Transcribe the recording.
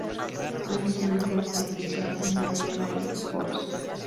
Allí se enroló como oficial en la Royal Air Force.